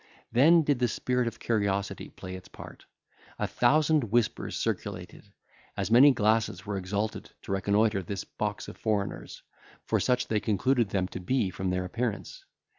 Then did the spirit of curiosity play its part. A thousand whispers circulated; as many glasses were exalted to reconnoitre this box of foreigners; for such they concluded them to be from their appearance.